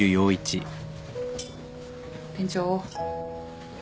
店長。